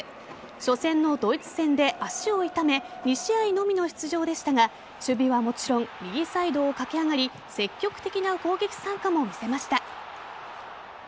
初戦のドイツ戦で足を痛め２試合のみの出場でしたが守備はもちろん右サイドを駆け上がり積極的な攻撃参加も見せました。